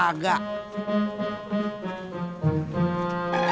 tapi kalau kita berdua